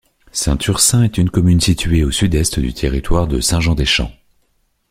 Saint-Ursin est une commune située au sud-est du territoire de Saint-Jean-des-Champs.